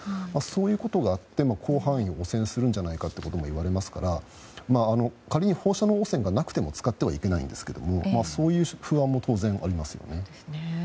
そういうことがあって広範囲を汚染するんじゃないかということもいわれますから仮に放射能汚染がなくても使ってはいけないんですがそういう不安も当然、ありますよね。